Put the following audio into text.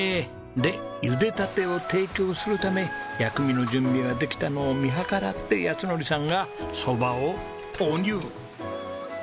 でゆでたてを提供するため薬味の準備ができたのを見計らって靖典さんが蕎麦を投入。